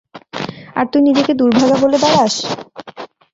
আর তুই নিজেকে দুর্ভাগা বলে বেড়াস।